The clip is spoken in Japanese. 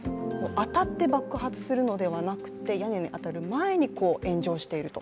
当たって爆発するのではなくて屋根に当たる前に炎上していると。